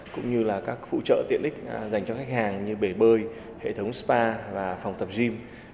cũng như là các phụ trợ tiện ích dành cho khách hàng như bể bơi hệ thống spa và phòng tập gym